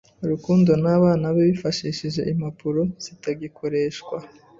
Rukundo n’abana be bifashishije impapuro zitagikoreshwa